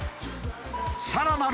さらなる